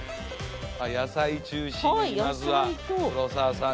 野菜中心にまずは黒沢さんが。